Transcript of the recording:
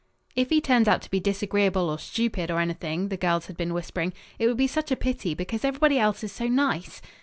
"If he turns out to be disagreeable or stupid or anything," the girls had been whispering, "it would be such a pity because everybody else is so nice."